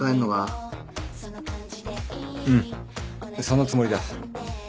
うんそのつもりだ。